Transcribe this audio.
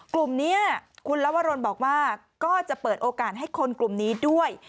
กลุ่มนี้คุณลวรนบอกว่าก็จะเปิดโอกาสให้คนกลุ่มนี้ด้วย